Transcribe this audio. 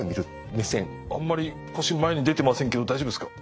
あんまり腰前に出てませんけど大丈夫ですか？